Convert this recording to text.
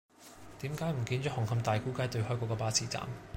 點解唔見左紅磡大沽街對開嗰個巴士站